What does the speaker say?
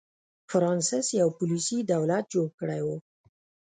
فرانسس یو پولیسي دولت جوړ کړی و.